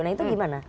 nah itu gimana